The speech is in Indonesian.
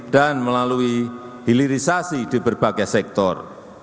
dan melalui hilirisasi di berbagai sektor